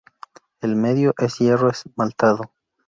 El medio es hierro esmaltado.